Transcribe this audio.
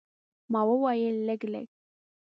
ما وویل، لږ، لږ.